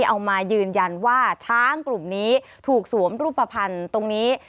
เอามายืนยันว่าช้างกลุ่มนี้ถูกสวมรูปภัณฑ์ตรงนี้